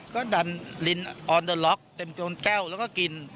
ก็ดันลินออนเดอร์ล็อกเต็มโจรแก้วแล้วก็กิน